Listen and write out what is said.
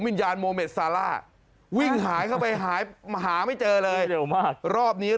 ยานโมเมดซาร่าวิ่งหายเข้าไปหายหาไม่เจอเลยเร็วมากรอบนี้